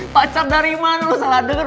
pacar dari mana lu salah denger